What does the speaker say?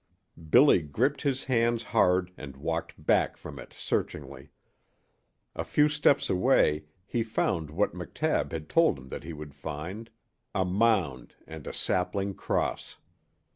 Billy gripped his hands hard and walked back from it searchingly. A few steps away he found what McTabb had told him that he would find, a mound and a sapling cross.